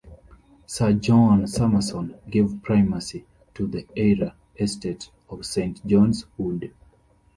Sir John Summerson gave primacy to the Eyre Estate of Saint John's Wood.